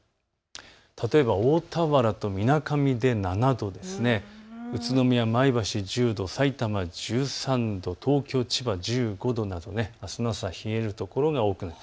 例えば大田原とみなかみで７度、宇都宮、前橋１０度、さいたま１３度、東京、千葉１５度などあすの朝冷える所が多くなる。